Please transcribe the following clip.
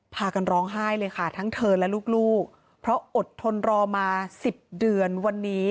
พากันร้องไห้เลยค่ะทั้งเธอและลูกเพราะอดทนรอมา๑๐เดือนวันนี้